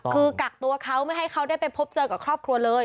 คือกักตัวเขาไม่ให้เขาได้ไปพบเจอกับครอบครัวเลย